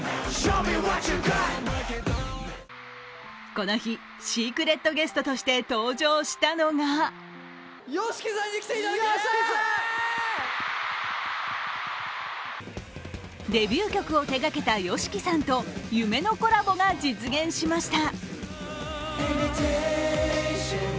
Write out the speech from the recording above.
この日、シークレットゲストとして登場したのがデビュー曲を手がけたＹＯＳＨＩＫＩさんと夢のコラボが実現しました。